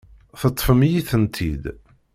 Teṭṭfem-iyi-tent-id.